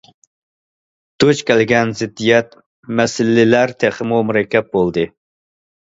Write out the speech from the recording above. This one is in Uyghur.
دۇچ كەلگەن زىددىيەت، مەسىلىلەر تېخىمۇ مۇرەككەپ بولدى.